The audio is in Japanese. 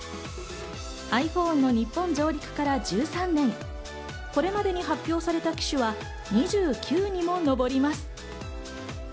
ｉＰｈｏｎｅの日本上陸から１３年、これまでに発表された機種は２９にものぼります。